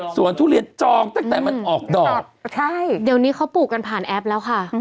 ทุเรียนจองตั้งแต่มันออกดอกใช่เดี๋ยวนี้เขาปลูกกันผ่านแอปแล้วค่ะ